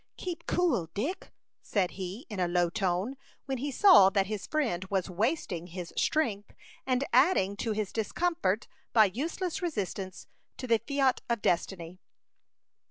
"Keep cool, Dick," said he, in a low tone, when he saw that his friend was wasting his strength and adding to his discomfort by useless resistance to the fiat of destiny.